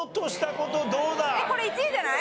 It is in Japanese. これ１位じゃない？